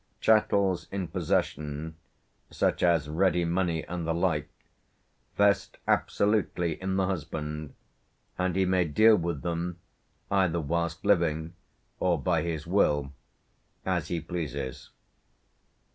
Chattels in possession, such as ready money and the like, vest absolutely in the husband, and he may deal with them, either whilst living, or by his will, as he pleases.